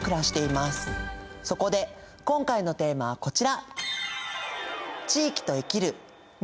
そこで今回のテーマはこちら。